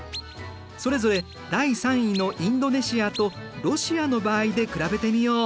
それぞれ第３位のインドネシアとロシアの場合で比べてみよう。